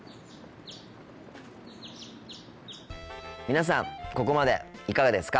皆さんここまでいかがですか？